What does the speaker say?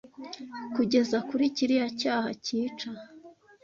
Kugeza kuri kiriya cyaha cyica